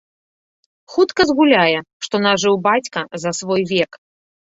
Хутка згуляе, што нажыў бацька за свой век.